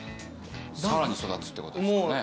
さらに育つって事ですかね。